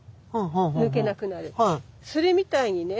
それみたいにね